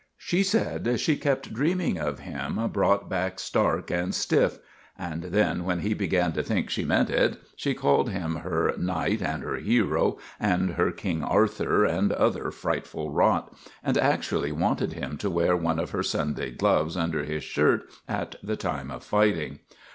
She said she kept dreaming of him brought back stark and stiff; and then, when he began to think she meant it, she called him her "knight" and her "hero" and her "King Arthur" and other frightful rot, and actually wanted him to wear one of her Sunday gloves under his shirt at the time of fighting!